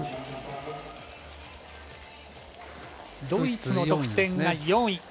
ドイツの得点が４位。